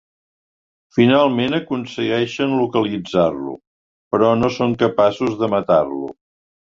Finalment aconsegueixen localitzar-lo, però no són capaços de matar-lo.